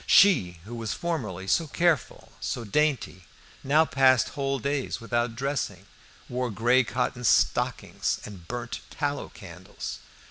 She who was formerly so careful, so dainty, now passed whole days without dressing, wore grey cotton stockings, and burnt tallow candles.